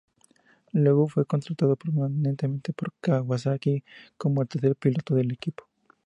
Luego fue contratado permanentemente por Kawasaki como el tercer piloto del equipo.